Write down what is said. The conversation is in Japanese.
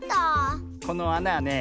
このあなはね